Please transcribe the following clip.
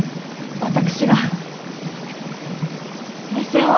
私が目線を合わせます。